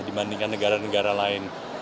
kondisi ini juga terjadi di negara negara lain